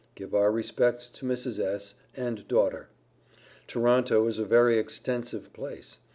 Give our respects to Mrs. S. and daughter. Toronto is a very extensive place.